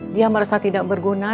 dia merasa tidak berguna